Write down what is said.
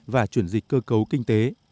và chuyển dịch cơ cấu kinh tế